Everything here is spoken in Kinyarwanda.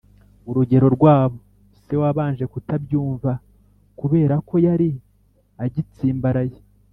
urugero rwabo. Se wabanje kutabyumva kubera ko yari agitsimbaraye